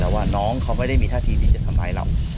แต่ว่าน้องเขาไม่ได้มีท่าทีที่จะทำร้ายเรา